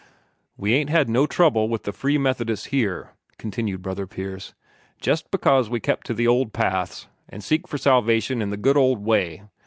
"We ain't had no trouble with the Free Methodists here," continued Brother Pierce, "jest because we kept to the old paths, an' seek for salvation in the good old way.